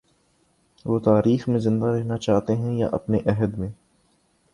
وہ تاریخ میں زندہ رہنا چاہتے ہیں یا اپنے عہد میں؟